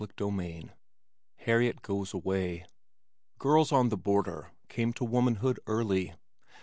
CHAPTER XV Harriet Goes Away Girls on the Border came to womanhood early.